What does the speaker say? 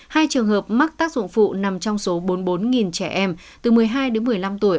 hai trường hợp mắc tác dụng phụ nằm trong số bốn mươi bốn trẻ em từ một mươi hai đến một mươi năm tuổi